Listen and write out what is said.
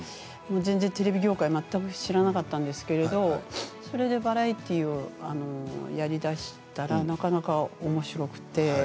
全然テレビ業界全く知らなかったんですけどそれでバラエティーをやりだしたらなかなかおもしろくて。